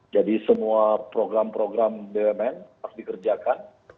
jadi semua program program bumn harus dikerjakan